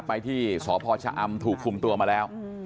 ไปที่สพชะอำถูกคุมตัวมาแล้ว